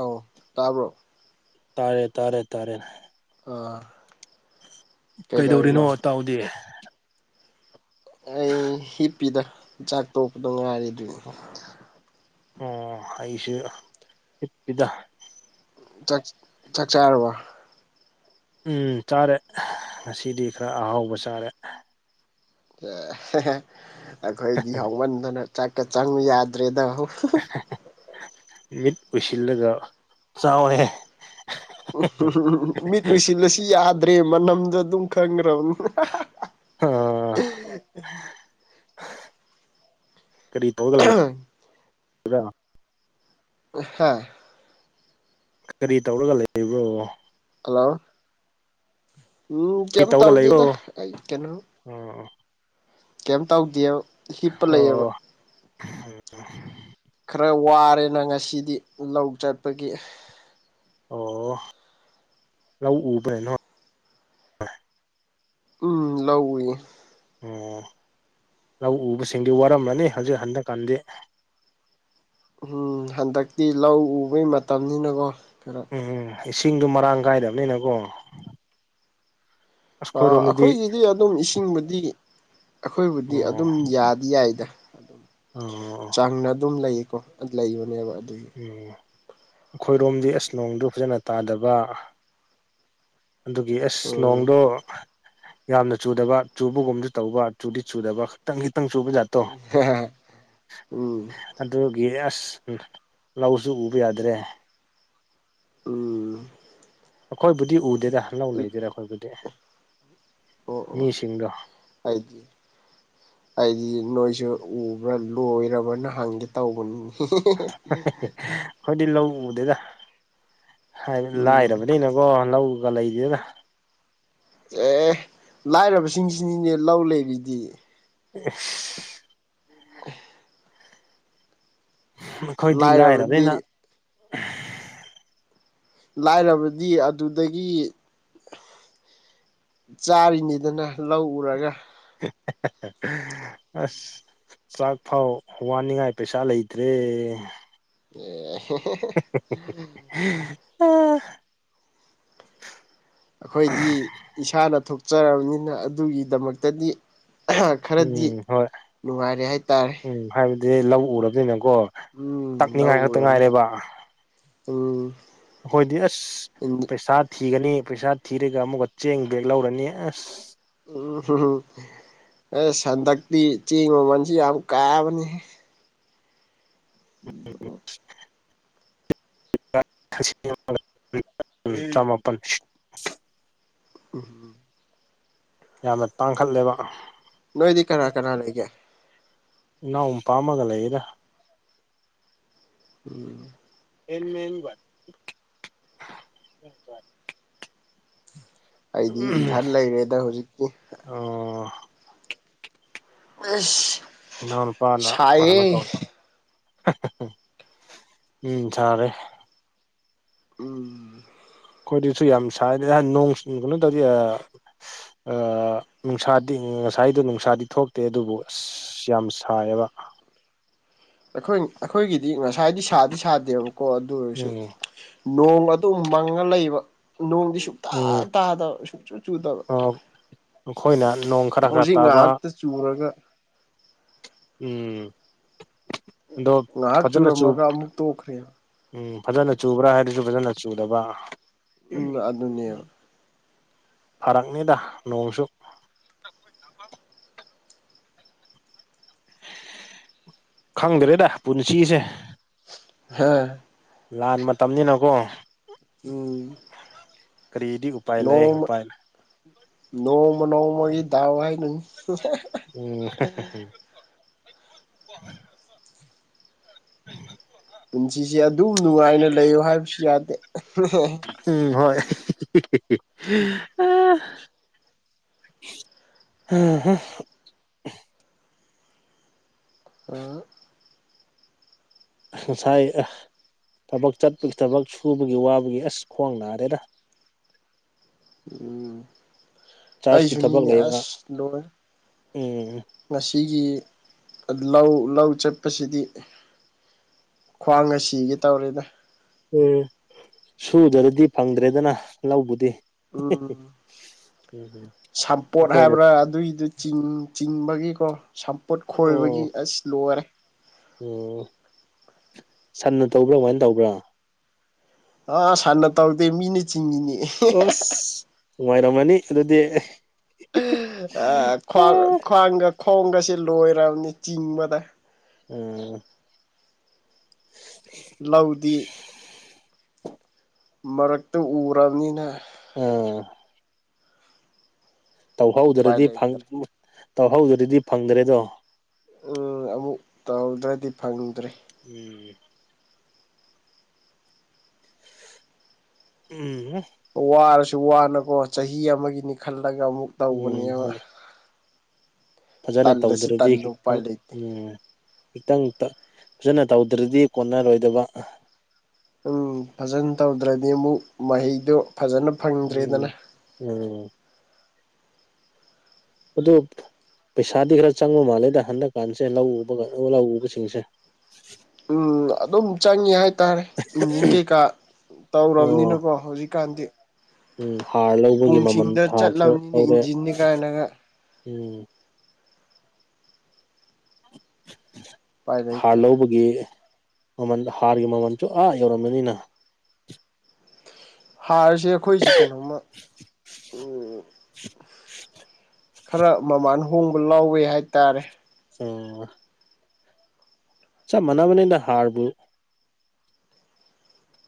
ꯑꯥꯎ ꯇꯥꯕ꯭ꯔꯣ ꯇꯥꯔꯦ ꯇꯥꯔꯦ ꯇꯥꯔꯦ ꯑꯥ ꯀꯩꯗꯧꯔꯤꯅꯣꯇꯥꯎꯗꯤ ꯑꯩ ꯍꯤꯞꯄꯤꯗꯥ ꯆꯥꯛ ꯇꯣꯛꯄꯗꯣ ꯉꯥꯏꯔꯤ ꯑꯗꯨꯏ ꯑꯣ ꯑꯩꯁꯨ ꯍꯤꯞꯄꯤꯗꯥ ꯆꯥꯛ ꯆꯥꯛ ꯆꯥꯔꯕꯣ ꯎꯝ ꯆꯥꯔꯦ ꯉꯁꯤꯗꯤ ꯈꯔ ꯑꯍꯥꯎꯕ ꯆꯥꯔꯦ ꯑꯩꯈꯣꯏꯗꯤ ꯍꯧꯃꯟꯗꯅ ꯆꯠꯀ ꯆꯪꯉꯨ ꯌꯥꯗ꯭ꯔꯦꯗ ꯃꯤꯠ ꯎꯨꯏꯁꯤꯜꯂꯒ ꯆꯥꯎꯍꯦ ꯃꯤꯠ ꯎꯨꯏꯁꯤꯜꯂꯁꯨ ꯌꯥꯗ꯭ꯔꯦ ꯃꯅꯝꯗꯣ ꯑꯗꯨꯝ ꯈꯪꯈ꯭ꯔꯕꯅꯤ ꯑ ꯀꯔꯤ ꯇꯧꯔꯒ ꯂꯩ ꯑ ꯍꯥꯥ ꯀꯔꯤ ꯇꯧꯔꯒ ꯂꯩꯕ꯭ꯔꯣ ꯍꯜꯂꯣ ꯎꯝ ꯀꯩꯝ ꯇꯧꯗꯦꯗ ꯑꯩ ꯀꯩꯅꯣ ꯎꯝ ꯀꯩꯝ ꯇꯧꯗꯤꯌꯦ ꯍꯤꯞꯄ ꯂꯩꯑꯦꯕ ꯑꯣ ꯈꯔ ꯋꯥꯔꯦꯅ ꯉꯁꯤꯗꯤ ꯂꯧ ꯆꯠꯄꯒꯤ ꯑꯣ ꯂꯧ ꯎꯕ꯭ꯔꯥ ꯅꯣ ꯎꯝ ꯂꯧ ꯎꯏꯌꯦ ꯑꯣ ꯂꯧ ꯎꯕꯁꯤꯡꯗꯤ ꯋꯥꯔꯝꯂꯅꯤ ꯍꯧꯖꯤꯛ ꯍꯟꯗꯛꯀꯥꯟꯗꯤ ꯎꯝ ꯍꯟꯗꯛꯇꯤ ꯂꯧ ꯎꯕꯩ ꯃꯇꯝꯅꯤꯅꯀꯣ ꯀꯩꯅꯣ ꯎꯝ ꯏꯁꯤꯡꯗꯣ ꯃꯔꯥꯡ ꯀꯥꯏꯔꯝꯅꯤꯅꯀꯣ ꯑ ꯑꯩꯈꯣꯏꯔꯣꯝꯗꯗꯤ ꯑꯩꯈꯣꯏꯒꯤꯗꯤ ꯑꯗꯨꯝ ꯏꯁꯤꯡꯕꯨꯗꯤ ꯑꯩꯈꯣꯏꯕꯨꯗꯤ ꯑꯣ ꯑꯗꯨꯝ ꯌꯥꯗꯤ ꯌꯥꯏꯗ ꯑꯣ ꯆꯥꯡꯅ ꯑꯗꯨꯝ ꯂꯩꯀꯣ ꯂꯩꯕꯅꯦꯕ ꯑꯗꯨꯒꯤ ꯎꯝ ꯑꯩꯈꯣꯏꯔꯣꯝꯗꯤ ꯑꯁ ꯅꯦꯡꯗꯨ ꯐꯖꯅ ꯇꯥꯗꯕ ꯑꯗꯨꯒꯤ ꯑꯁ ꯎꯝ ꯅꯣꯡꯗꯣ ꯌꯥꯝꯅ ꯆꯨꯗꯕ ꯆꯨꯕꯒꯨꯝꯁꯨ ꯇꯧꯕ ꯆꯨꯗꯤ ꯆꯨꯗꯕ ꯈꯤꯇꯪ ꯈꯤꯇꯪ ꯆꯨꯕ ꯖꯥꯠꯇꯣ ꯎꯝ ꯑꯗꯨꯒꯤ ꯑꯁ ꯎꯝ ꯂꯧꯁꯨ ꯎꯕ ꯌꯥꯗ꯭ꯔꯦ ꯎꯝ ꯑꯩꯈꯣꯏꯕꯨꯗꯤ ꯎꯗꯦꯗ ꯂꯧ ꯂꯩꯗꯦꯗ ꯑꯩꯈꯣꯏꯕꯨꯗꯤ ꯑꯣ ꯑꯣ ꯃꯤꯁꯤꯡꯗꯣ ꯑꯩꯗꯤ ꯑꯩꯗꯤ ꯅꯣꯏꯁꯨ ꯎꯕ꯭ꯔꯥ ꯂꯣꯏꯔꯕꯅ ꯍꯪꯒꯦ ꯇꯧꯕꯅꯤ ꯑꯩꯈꯣꯏꯗꯤ ꯂꯧ ꯎꯗꯦꯗ ꯍꯥꯏꯗꯤ ꯎꯝ ꯂꯥꯏꯔꯕꯅꯤꯅ ꯕꯣ ꯂꯧꯒ ꯂꯩꯗꯦꯗ ꯑꯦ ꯂꯥꯏꯔꯕꯁꯤꯡꯁꯤꯅꯤꯅꯦ ꯂꯧ ꯂꯩꯔꯤꯗꯤ ꯑꯤꯁ [unintelligible] ꯑꯩꯈꯣꯏꯗꯤ ꯂꯥꯏꯔꯕꯅꯤꯅ ꯂꯥꯏꯔꯕꯗꯤ ꯂꯥꯏꯔꯕꯗꯤ ꯑꯗꯨꯗꯒꯤ ꯆꯥꯔꯤꯅꯤꯗꯅ ꯂꯧ ꯎꯔꯒ [unintelligible] ꯑꯁ ꯆꯥꯛ ꯐꯥꯎ ꯋꯥꯟꯅꯤꯡꯉꯥꯏ ꯄꯩꯁꯥ ꯂꯩꯇ꯭ꯔꯦ [unintelligible] [unintelligible] ꯑꯩꯈꯣꯏꯗꯤ ꯏꯁꯥꯅ ꯊꯣꯛꯆꯔꯕꯅꯤꯅ ꯑꯗꯨꯒꯤꯗꯃꯛꯇꯗꯤ ꯈꯔꯗꯤ ꯎꯝ ꯍꯣꯏ ꯅꯨꯡꯉꯥꯏꯔꯦ ꯍꯥꯏꯇꯥꯔꯦ ꯎꯝ ꯍꯥꯏꯕꯗꯤ ꯂꯧ ꯎꯔꯗꯤꯅꯀꯣ ꯎꯝ ꯇꯛꯅꯤꯡꯉꯥꯏ ꯈꯛꯇ ꯉꯥꯏꯔꯦꯕ ꯑ‌ꯣ ꯑꯈ‌ꯣꯏꯗꯤ ꯑꯁ ꯄꯩꯁꯥ ꯊꯤꯒꯅꯤ ꯄꯩꯁꯥ ꯊꯤꯔꯒ ꯑꯃꯨꯛꯀ ꯆꯦꯡ ꯕꯦꯛ ꯂꯧꯔꯅꯤ ꯑꯁ ꯎꯝ ꯑꯁ ꯍꯟꯗꯛꯇꯤ ꯆꯦꯡ ꯃꯃꯟꯁꯤ ꯌꯥꯝ ꯀꯥꯕꯅꯤ ꯍ‌ꯦ [inaudible] [unintelligible] ꯇꯔꯥ ꯃꯥꯄꯟ [unintelligible] ꯌꯥꯝꯅ ꯇꯥꯡꯈꯜꯂꯦꯕ ꯅꯣꯏꯗꯤ ꯀꯅꯥ ꯀꯅꯥ ꯂꯩꯒꯦ ꯏꯅꯥꯎ ꯅꯨꯄꯥ ꯑꯃꯥꯒ ꯂꯩꯌꯦꯗ ꯎꯝ [unintelligible] ꯑꯩꯗꯤ ꯏꯊꯟ ꯂꯩꯔꯦꯗ ꯍꯨꯖꯤꯛꯇꯤ ꯑꯣ ꯑꯁ ꯏꯅꯥꯎ ꯅꯨꯄꯥ ꯅ ꯀꯅ‌ꯣꯃ ꯁꯥꯏꯌꯦ ꯇꯧ ꯎꯝ ꯆꯥꯔꯦ ꯎꯝ ꯈꯣꯏꯗꯁꯨ ꯌꯥꯝ ꯁꯥꯏꯗ ꯅꯣꯡ ꯆꯨꯕ ꯅꯇꯗꯤ ꯑꯥ ꯅꯨꯡꯁꯥꯗꯤ ꯉꯁꯥꯏꯗꯣ ꯅꯨꯡꯁꯥꯗꯤ ꯊꯣꯛꯇꯦ ꯑꯗꯨꯕꯨ ꯑꯁ ꯌꯥꯝ ꯁꯥꯌ‌ꯦꯕ ꯑꯩꯈꯣꯏꯟ ꯑꯩꯈꯣꯏꯒꯤꯗꯤ ꯉꯁꯥꯏꯗꯤ ꯁꯥꯗꯤ ꯁꯥꯗꯦꯕꯀꯣ ꯑꯗꯨ ꯑꯣꯏꯁꯨ ꯎꯝ ꯅꯣꯡ ꯑꯗꯨꯝ ꯃꯪꯉ ꯂꯩꯕ ꯅꯣꯡꯗꯤ ꯁꯨꯛꯇ ꯎꯝ ꯇꯥꯗꯕ ꯁꯨꯛꯆꯨ ꯆꯨꯗꯕ ꯑꯈꯣꯏꯅ ꯅꯣꯡ ꯈꯔ ꯈꯔ ꯍꯧꯖꯤꯛ ꯇꯥꯕ ꯉꯥꯏꯍꯥꯛꯇ ꯆꯨꯔꯒ ꯎꯝ ꯗꯣꯕ ꯉꯥꯏꯍꯥꯛ ꯐꯖꯅ ꯆꯨ ꯆꯨꯔꯝꯃꯒ ꯑꯃꯨꯛ ꯇꯣꯛꯈ꯭ꯔꯦꯕ ꯎꯝ ꯐꯖꯅ ꯆꯨꯕ꯭ꯔꯥ ꯍꯥꯏꯔꯖꯨ ꯐꯖꯅ ꯆꯨꯗꯕ ꯎꯝ ꯑꯗꯨꯅꯦꯕ ꯐꯔꯛꯅꯤꯗ ꯅꯣꯡꯁꯨ ꯈꯪꯗ꯭ꯔꯦꯗ ꯄꯨꯟꯁꯤꯁꯦ ꯍꯥ ꯂꯥꯟ ꯃꯇꯝꯅꯤꯅꯀꯣ ꯎꯝ ꯀꯔꯤꯗꯤ ꯎꯄꯥꯏ ꯂꯩ ꯅꯣꯡꯃ ꯎꯄꯥꯏ ꯅꯣꯡꯃ ꯅꯣꯡꯃꯒꯤ ꯗꯥꯎ ꯍꯥꯏꯗꯨꯅꯤ ꯎꯝ ꯄꯨꯟꯁꯤꯁꯦ ꯑꯗꯨꯝ ꯅꯨꯡꯉꯥꯏꯅ ꯂꯩꯌꯣ ꯍꯥꯏꯕꯁꯤ ꯌꯥꯗꯦ ꯎꯝ ꯍꯣꯏ [unintelligible] ꯑꯥ ꯑ ꯍꯥ ꯑ ꯉꯁꯥꯏ ꯑꯥ ꯊꯕꯛ ꯆꯠꯄꯒꯤ ꯊꯕꯛ ꯁꯨꯕꯒꯤ ꯋꯥꯕꯒꯤ ꯑꯁ ꯈ꯭ꯋꯥꯡ ꯅꯥꯔꯦꯗ ꯎꯝ ꯆꯥꯔꯖꯀꯤ ꯊꯕꯛ ꯑꯩꯁꯨꯅꯤꯅ‌ꯦ ꯂꯩꯕ ꯑꯁ ꯂꯣꯏ ꯎꯝ ꯉꯁꯤꯒꯤ ꯂꯧ ꯂꯧ ꯆꯠꯄꯁꯤꯗꯤ ꯈ꯭ꯋꯥꯡꯒ ꯁꯤꯒꯦ ꯇꯧꯔꯦꯗ ꯁꯨꯗ꯭ꯔꯒꯗꯤ ꯐꯪꯗ꯭ꯔꯦꯗꯅ ꯂꯧꯕꯨꯗꯤ ꯎꯝ ꯎꯝ ꯎꯝ ꯁꯝꯄꯣꯠ ꯍꯥꯏꯕ꯭ꯔꯥ ꯑꯗꯨꯏꯗꯨ ꯆꯤꯡ ꯆꯤꯡꯕꯒꯤꯀꯣ ꯁꯝꯄꯣꯠ ꯈꯣꯏꯕꯒꯤ ꯑꯣ ꯑꯁ ꯂꯣꯏꯔꯦ ꯎꯝ ꯁꯟꯅ ꯇꯧꯕ꯭ꯔꯥ ꯏꯔꯣꯏꯅ ꯇꯧꯕ꯭ꯔꯥ ꯑꯥ ꯁꯟꯅ ꯇꯧꯗꯦ ꯃꯤꯅ ꯆꯤꯡꯉꯤꯅꯦ ꯑꯦ ꯑꯣꯁ ꯅꯨꯡꯉꯥꯏꯔꯝꯒꯅꯤ ꯑꯗꯨꯗꯤ ꯑꯥ ꯈ꯭ꯋꯥꯡ ꯑꯥ ꯈ꯭ꯋꯥꯡꯒ ꯈꯣꯡꯒꯁꯤ ꯂꯣꯏꯔꯕꯅꯤ ꯆꯤꯡꯕꯗ ꯎꯝ [unintelligible] ꯂꯧꯗꯤ ꯃꯔꯛꯇ ꯎꯔꯕꯅꯤꯅ ꯑꯣ ꯎꯄꯥꯏ ꯇꯧꯍꯧꯗ꯭ꯔꯗꯤ ꯐꯪ ꯂꯩꯇ꯭ꯔꯦ ꯇꯧꯍꯧꯗ꯭ꯔꯗꯤ ꯐꯪꯗ꯭ꯔꯦꯗꯣ ꯎꯝ ꯑꯃꯨꯛ ꯇꯧꯗ꯭ꯔꯗꯤ ꯐꯪꯗ꯭ꯔꯦ ꯎꯝ ꯎꯝ ꯍꯝ ꯋꯥꯔꯁꯨ ꯋꯥꯅꯀꯣ ꯆꯍꯤ ꯑꯃꯒꯤꯅꯤ ꯈꯜꯂꯒ ꯑꯃꯨꯛ ꯎꯝ ꯇꯧꯕꯅꯦꯕ ꯐꯥꯖꯅ ꯇꯜꯂꯁꯨ ꯇꯧꯗ꯭ꯔꯗꯤ ꯇꯟꯅ ꯎꯄꯥꯏ ꯈꯤꯇꯪ ꯂꯩꯇꯦ ꯎꯝ ꯈꯤꯇꯪ ꯇ ꯐꯥꯖꯅ ꯇꯧꯗ꯭ꯔꯗꯤ ꯀꯣꯟꯅꯔꯣꯏꯗꯕ ꯎꯝ ꯐꯥꯖꯅ ꯇꯧꯗ꯭ꯔꯗꯤ ꯑꯃꯨꯛ ꯃꯍꯩꯗꯣ ꯐꯥꯖꯅ ꯎꯝ ꯎꯝ ꯑꯗꯨ ꯄꯩꯁꯥꯗꯤ ꯈꯔ ꯆꯪꯕ ꯃꯥꯜꯂꯦꯗ ꯍꯟꯗꯛ ꯀꯥꯟꯖꯦ ꯂꯧ ꯎꯕ ꯂꯧ ꯎꯕꯁꯤꯡꯁꯦ ꯎꯝ ꯑꯗꯨꯝ ꯆꯪꯉꯦ ꯍꯥꯏꯇꯥꯔꯦ ꯏꯟꯖꯤꯟ ꯀꯩꯀꯥ ꯑꯣ ꯇꯧꯔꯕꯅꯤꯅꯀꯣ ꯍꯧꯖꯤꯛꯀꯥꯟꯗꯤ ꯎꯝ ꯍꯥꯔ ꯂꯧꯕꯒꯤ ꯃꯃꯜ ꯄꯨꯡꯁꯤꯡꯗ ꯍꯥꯔꯁꯨ ꯆꯠꯂꯕꯅꯤꯅ ꯂꯧꯔꯦ ꯏꯟꯖꯤꯟꯅꯤ ꯀꯥꯏꯅꯒ ꯎꯝ ꯎꯄꯥꯏ ꯍꯥꯔ ꯂꯩꯇ꯭ꯔꯦ ꯂꯧꯕꯒꯤ ꯃꯃꯜ ꯍꯥꯔꯒꯤ ꯃꯃꯜꯁꯨ ꯑꯥ ꯌꯧꯔꯝꯒꯅꯤꯅ ꯍꯥꯔꯁꯦ ꯑꯩꯈꯣꯏꯖꯤ ꯀꯩꯅꯣꯝꯃ ꯎꯝ ꯈꯔ ꯃꯃꯥꯟ ꯍꯣꯡꯕ ꯂꯥꯎꯋꯦ ꯍꯥꯏꯇꯥꯔꯦ ꯆꯤꯡꯕ ꯆꯞ ꯃꯅꯕꯅꯤꯗ ꯍꯥꯔꯕꯨ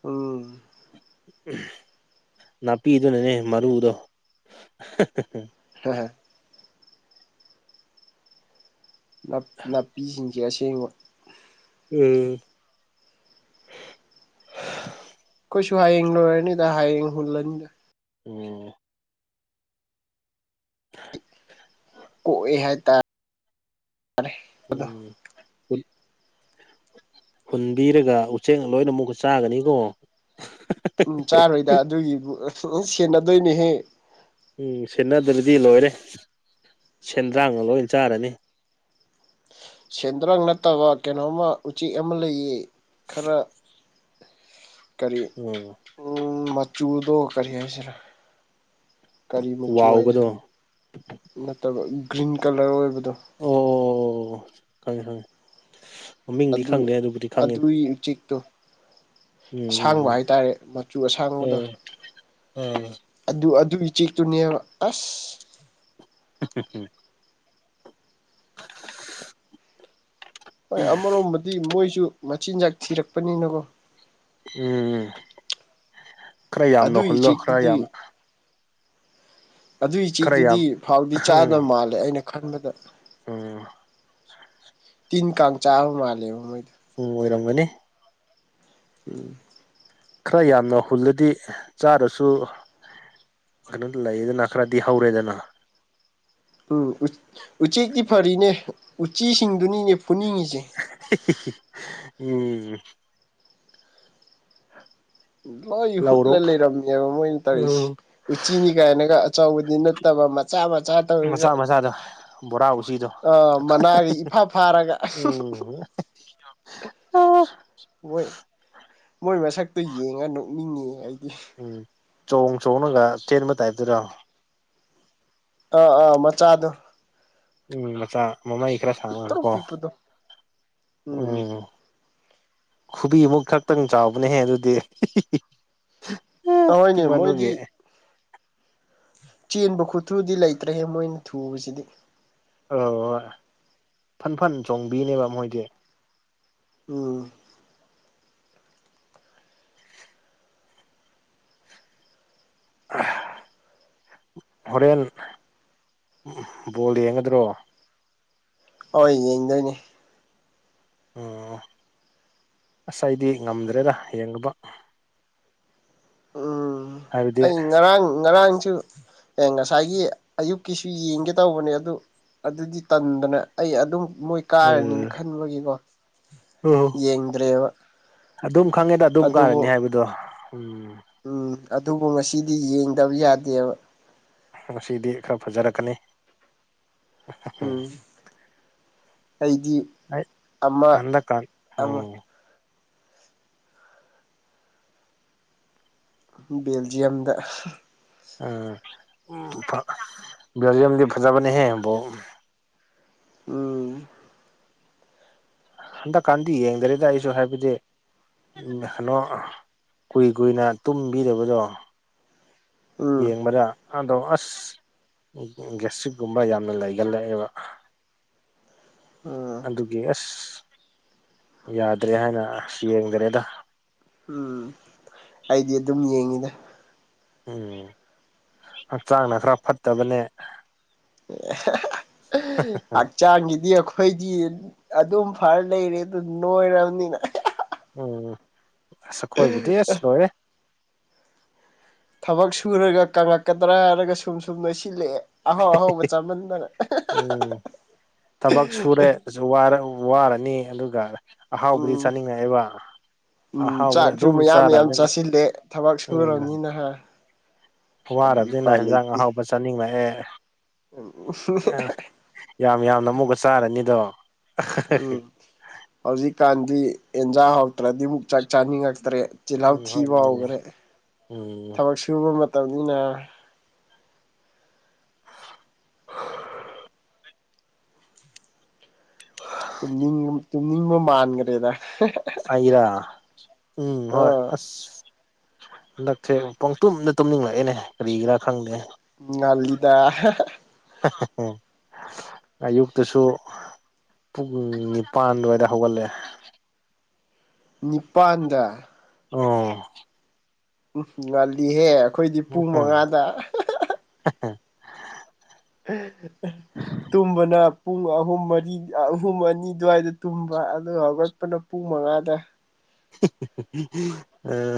ꯎꯝ ꯅꯥꯄꯤꯗꯨꯅꯅꯦ ꯃꯔꯨꯗꯣ ꯍꯥꯍꯥ ꯅꯞ ꯅꯥꯄꯤꯁꯤꯡꯖꯦ ꯑꯁꯦꯡꯕ ꯎꯝ ꯑꯩꯈꯣꯏꯁꯨ ꯍꯌꯦꯡ ꯂꯣꯏꯔꯅꯤꯗ ꯍꯌꯦꯡ ꯍꯨꯜꯂꯅꯤꯗ ꯎꯝ ꯍꯣꯏ ꯍꯥꯏꯇꯥꯔꯦ ꯑꯗꯣ ꯎꯝ ꯍꯨꯟꯕꯤꯔꯒ ꯎꯆꯦꯛꯅ ꯂꯣꯏꯅ ꯑꯃꯨꯛꯀ ꯆꯥꯒꯅꯤꯀꯣ ꯎꯝ ꯆꯥꯔꯣꯏꯗ ꯑꯗꯨꯒꯤꯕꯨ ꯂꯣꯏ ꯁꯦꯟꯅꯗꯣꯏꯅꯦꯍꯦ ꯎꯝ ꯁꯦꯟꯅꯗ꯭ꯔꯗꯤ ꯂꯣꯏꯔꯦ ꯁꯦꯟꯗ꯭ꯔꯥꯡꯅ ꯂꯣꯏ ꯆꯥꯔꯅꯤ ꯁꯦꯟꯗ꯭ꯔꯥꯡ ꯅꯠꯇꯕ ꯀꯩꯅꯣꯝꯃ ꯎꯆꯦꯛ ꯑꯃ ꯂꯩꯌꯦ ꯈꯔ ꯀꯔꯤ ꯎꯝ ꯎꯝ ꯃꯆꯨꯗꯣ ꯀꯔꯤ ꯍꯥꯏꯁꯤꯔ ꯀꯔꯤ ꯃꯆꯨ ꯋꯥꯎꯕꯗꯣ ꯍꯥꯏꯁꯤꯔ ꯅꯠꯇꯕ ꯒ꯭ꯔꯤꯟ ꯀꯂꯔ ꯑꯣꯏꯕꯗꯣ ꯑꯣ ꯑꯣ ꯑꯣ ꯈꯪꯉꯦ ꯈꯪꯉꯦ ꯃꯃꯤꯡꯗꯤ ꯈꯪꯗꯦ ꯑꯗꯨꯕꯨꯗꯤ ꯈꯪꯉꯤ ꯀꯤ ꯎꯆꯦꯛꯇꯣ ꯑꯁꯥꯡꯕ ꯎꯝ ꯍꯥꯏꯇꯥꯔꯦ ꯃꯆꯨ ꯑꯁꯥꯡꯕꯗꯣ ꯎꯝ ꯎꯝ ꯑꯗꯨ ꯑꯗꯨꯏ ꯎꯆꯦꯛꯇꯨꯅꯦꯕ ꯑꯁ [unintelligible] ꯍꯣꯏ ꯑꯃꯔꯣꯝꯕꯨꯗꯤ ꯃꯣꯏꯁꯨ ꯃꯆꯤꯟꯖꯥꯛ ꯊꯤꯔꯛꯄꯅꯤꯅꯀꯣ ꯎꯝ ꯈꯔ ꯌꯥꯝꯅ ꯑꯗꯨꯒꯤ ꯍꯨꯜꯂꯣ ꯈꯔ ꯆꯦꯛꯇꯨꯗꯤ ꯌꯥꯝ ꯑꯗꯨꯏ ꯈꯔ ꯌꯥꯝ ꯎꯆꯦꯛꯇꯨꯗꯤ ꯐꯥꯎꯗꯤ ꯎꯝ ꯆꯥꯗꯕ ꯃꯥꯂꯦ ꯑꯩꯅ ꯈꯟꯕꯗ ꯎꯝ ꯇꯤꯟ ꯀꯥꯡ ꯆꯥꯕ ꯃꯥꯂꯦꯕ ꯃꯣꯏꯗꯣ ꯎꯝ ꯑꯣꯏꯔꯝꯒꯅꯤ ꯎꯝ ꯈꯔ ꯌꯥꯝꯅ ꯍꯨꯜꯂꯗꯤ ꯆꯥꯔꯁꯨ ꯈꯅꯣꯗꯨ ꯂꯩꯌꯦꯗꯅ ꯈꯔꯗꯤ ꯍꯧꯔꯦꯗꯅ ꯎꯝ ꯎꯆꯦꯛꯇꯤ ꯐꯔꯤꯅꯦ ꯎꯆꯤꯁꯤꯡꯗꯨꯅꯤꯅꯦ ꯐꯨꯅꯤꯡꯉꯤꯁꯦ ꯎꯝ ꯂꯣꯏ ꯍꯨꯠꯂ ꯂꯧꯔꯣꯛ ꯂꯩꯔꯝꯃꯦꯕ ꯃꯣꯏꯅ ꯇꯧꯔꯤꯁꯦ ꯎꯝ ꯎꯆꯤꯅꯤ ꯀꯥꯏꯅꯒ ꯑꯆꯧꯕꯗꯤ ꯅꯠꯇꯕ ꯃꯆꯥ ꯃꯆꯥ ꯇꯧꯔꯒ ꯃꯆꯥ ꯃꯆꯥꯗꯣ ꯕꯣꯔꯥ ꯎꯆꯤꯗꯣ ꯑꯣ ꯃꯅꯥꯒ ꯏꯐꯥ ꯐꯥꯔꯒ [unintelligible] ꯑꯣ ꯍꯣꯏ ꯃꯣꯏ ꯃꯁꯛꯇꯨ ꯌꯦꯡꯉ ꯅꯣꯛꯅꯤꯡꯉꯤ ꯑꯩꯗꯤ ꯎꯝ ꯆꯣꯡ ꯆꯣꯡꯔꯒ ꯆꯦꯟꯕ ꯇꯥꯏꯞꯇꯨꯔꯣ ꯑꯥ ꯑꯥ ꯃꯆꯥꯗꯣ ꯎꯝ ꯃꯆꯥ ꯃꯃꯩ ꯈꯔ ꯄꯤꯛꯇ꯭ꯔꯨ ꯁꯥꯡꯉꯒꯀꯣ ꯄꯤꯛꯄꯗꯣ ꯎꯝ ꯈꯨꯕꯤꯃꯨꯛ ꯈꯛꯇꯪ ꯆꯥꯎꯕꯅꯦꯍꯦ ꯑꯗꯨꯗꯤ ꯍꯣꯏꯅꯦ ꯄꯤꯛꯃꯟꯕꯒꯤ ꯃꯣꯏꯗꯤ ꯆꯦꯟꯕ ꯈꯨꯠꯊꯨꯗꯤ ꯂꯩꯇ꯭ꯔꯦꯍꯦ ꯃꯣꯏꯅ ꯊꯨꯕꯁꯤꯗꯤ ꯑꯥ ꯍꯣꯏ ꯐꯟ ꯐꯟ ꯆꯣꯡꯕꯤꯅꯦꯕ ꯃꯣꯏꯗꯤ ꯎꯝ ꯍꯣꯔꯦꯟ ꯕꯣꯜ ꯌꯦꯡꯒꯗ꯭ꯔꯣ ꯍꯣꯏ ꯌꯦꯡꯗꯣꯏꯅꯦ ꯑꯣ ꯑꯁ ꯑꯩꯗꯤ ꯉꯝꯗ꯭ꯔꯦꯗ ꯌꯦꯡꯉꯨꯕ ꯎꯝ ꯍꯥꯏꯕꯗꯤ ꯑꯩ ꯉꯔꯥꯡ ꯉꯔꯥꯡꯖꯨ ꯑꯦ ꯉꯁꯥꯏꯒꯤ ꯑꯌꯨꯛꯀꯤꯁꯨ ꯌꯦꯡꯒꯦ ꯇꯧꯕꯅꯦ ꯑꯗꯨ ꯑꯗꯨꯗꯤ ꯇꯟꯗꯅ ꯑꯩ ꯑꯗꯨꯝ ꯃꯣꯏ ꯀꯥꯔꯅꯤꯅ ꯈꯟꯕꯒꯤꯀꯣ ꯎꯝ ꯌꯦꯡꯗ꯭ꯔꯦꯕ ꯑꯗꯨꯝ ꯈꯪꯉꯦꯗ ꯑꯗꯨꯝ ꯀꯥꯔꯅꯤ ꯑꯗꯨꯕꯨ ꯍꯥꯏꯕꯗꯣ ꯎꯝ ꯎꯝ ꯑꯗꯨꯕꯨ ꯉꯁꯤꯗꯤ ꯌꯦꯡꯗꯕ ꯌꯥꯗꯦꯕ ꯉꯁꯤꯗꯤ ꯈꯔ ꯐꯖꯔꯛꯀꯅꯤ ꯎꯝ ꯑꯩꯗꯤ ꯑꯩ ꯑꯃ ꯍꯟꯗꯛꯀ ꯑꯃ ꯎꯝ ꯕꯦꯜꯖꯤꯌꯝꯗ ꯑꯥ ꯎꯝ ꯕꯦꯜꯖꯤꯌꯝꯗꯤ ꯐꯖꯕꯅꯦꯍꯦ ꯕꯣꯜ ꯎꯝ ꯍꯟꯗꯛꯀꯥꯟꯗꯤ ꯌꯦꯡꯗ꯭ꯔꯦꯗ ꯑꯩꯁꯨ ꯍꯥꯏꯕꯗꯤ ꯑꯟ ꯍꯟꯅꯣ ꯑꯥ ꯀꯨꯏ ꯀꯨꯏꯅ ꯇꯨꯝꯕꯤꯗꯕꯗꯣ ꯎꯝ ꯌꯦꯡꯕꯔꯥ ꯍꯥꯟꯗꯣ ꯑꯁ ꯒꯦꯁꯇ꯭ꯔꯤꯛꯒꯨꯝꯕ ꯌꯥꯝꯅ ꯂꯩꯒꯜꯂꯦꯕ ꯎꯝ ꯑꯗꯨꯒꯤ ꯑꯁ ꯌꯥꯗ꯭ꯔꯦ ꯍꯥꯏꯅ ꯑꯁ ꯌꯦꯡꯗ꯭ꯔꯦꯗ ꯎꯝ ꯑꯩꯗꯤ ꯑꯗꯨꯝ ꯌꯦꯡꯉꯤꯗ ꯎꯝ ꯍꯛꯆꯥꯡꯅ ꯈꯔ ꯐꯠꯇꯕꯅꯦ ꯎꯝ ꯑꯠ ꯆꯥꯡꯒꯤꯗꯤ ꯑꯩꯈꯣꯏꯗꯤ ꯑꯗꯨꯝ ꯐꯔ ꯂꯩꯔꯦ ꯑꯗꯨ ꯅꯣꯏꯔꯝꯅꯤꯅ ꯎꯝ ꯑꯁ ꯈꯣꯏꯕꯨꯗꯤ ꯑꯁ ꯂꯣꯏꯔꯦ ꯊꯕꯛ ꯁꯨꯔꯒ ꯀꯪꯉꯛꯀꯗ꯭ꯔꯥ ꯍꯥꯔꯒ ꯁꯨꯝ ꯁꯨꯝ ꯅꯣꯏꯁꯤꯜꯂꯦꯑꯦ ꯑꯍꯥꯎ ꯑꯍꯥꯎꯕ ꯆꯃꯟꯗꯅ ꯑꯖꯨ ꯋꯥꯔꯛ ꯋꯥꯔꯅꯤ ꯑꯗꯨꯒ ꯑꯍꯥꯎꯕꯗꯤ ꯎꯝ ꯆꯥꯅꯤꯡꯉꯦꯛꯑꯦꯕ ꯎꯝ ꯑꯍꯥꯎꯕꯗ ꯆꯥꯛꯁꯨ ꯑꯗꯨꯝ ꯃꯌꯥꯝ ꯃꯌꯥꯝ ꯆꯥꯔꯝꯅꯤꯅ ꯆꯥꯁꯤꯜꯂꯦ ꯊꯕꯛ ꯎꯝ ꯁꯨꯔꯕꯅꯤꯅ ꯍꯥ ꯑꯗꯨꯗꯤ ꯋꯥꯔꯕꯅꯤꯅ ꯎꯄꯥꯏ ꯍꯦꯟꯖꯥꯡ ꯂꯩꯇꯦ ꯑꯍꯥꯎꯕ ꯆꯥꯅꯤꯡꯂꯛꯑꯦ ꯑꯦ [unintelligible] ꯌꯥꯝ ꯌꯥꯝꯅ ꯑꯃꯨꯛꯀ ꯆꯥꯔꯅꯤꯗꯣ ꯎꯝ ꯍꯧꯖꯤꯛꯀꯥꯟꯗꯤ ꯑꯦꯟꯖꯥꯡ ꯍꯥꯎꯇ꯭ꯔꯗꯤ ꯃꯨꯛ ꯆꯥꯛ ꯆꯥꯅꯤꯡꯉꯛꯇ꯭ꯔꯦ ꯆꯤꯜꯍꯥꯎ ꯎꯝ ꯍꯣꯏ ꯊꯤꯕ ꯃꯥꯅꯦ ꯍꯧꯒꯔꯦ ꯎꯝ ꯊꯕꯛ ꯁꯨꯕ ꯃꯇꯝꯅꯤꯅ [unintelligible] ꯇꯨꯝꯅꯤꯡ ꯇꯨꯝꯅꯤꯡꯕ ꯃꯥꯟꯒ꯭ꯔꯦꯗ ꯑꯩꯔꯣ ꯎꯝ ꯍꯣꯏ ꯑꯥ ꯑꯁ ꯍꯟꯗꯛꯁꯦ ꯄꯪꯇꯨꯝꯗ ꯇꯨꯝꯅꯤꯡꯂꯛꯑꯦꯅꯦ ꯀꯔꯤꯒꯤꯔꯥ ꯈꯪꯗꯦ ꯉꯥꯜꯂꯤꯗ [unintelligible] ꯑꯌꯨꯛꯇꯁꯨ ꯄꯨꯡ ꯅꯤꯄꯥꯟ ꯋꯥꯏꯗ ꯍꯧꯒꯠꯂꯦ ꯅꯤꯄꯥꯟꯗ ꯑꯧ ꯎꯝ ꯉꯜꯂꯤꯍꯦ ꯑꯩꯈꯣꯏꯗꯤ ꯄꯨꯡ ꯎꯝ ꯃꯉꯥꯗ [unintelligible] [unintelligible] ꯇꯨꯝꯕꯅ ꯄꯨꯡ ꯑꯍꯨꯝ ꯃꯔꯤ ꯑꯥ ꯑꯍꯨꯝ ꯑꯅꯤ ꯑꯗꯨꯋꯥꯏꯗ ꯇꯨꯝꯕ ꯑꯗꯨꯒ ꯍꯧꯒꯠꯄꯅ__ ꯄꯨꯡ ꯃꯉꯥꯗ ꯑꯥ